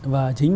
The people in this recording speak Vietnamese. và chính phủ